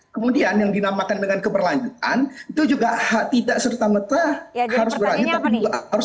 kemudian yang dinamakan dengan keberlanjutan itu juga tidak seta merta harus berlanjutan